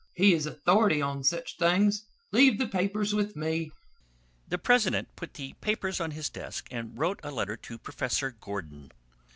He is authority on such things. Leave the papers with me." The president put the papers on his desk and wrote a letter to Professor Gordon.